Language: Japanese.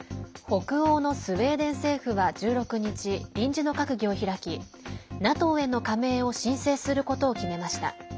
北欧のスウェーデン政府は１６日、臨時の閣議を開きＮＡＴＯへの加盟を申請することを決めました。